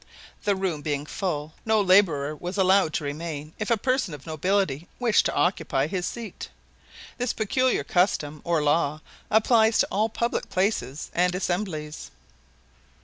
The room being full, no laborer was allowed to remain if a person of nobility wished to occupy his seat. This peculiar custom or law applies to all public places and assemblies.